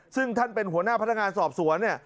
ซึ่งท่านเป็นหัวหน้าพนักงานสอบสวนเนี่ย